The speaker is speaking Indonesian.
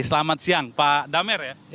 selamat siang pak damer ya